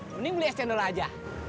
mending beli es cendol aja